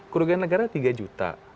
kerugian negara tiga juta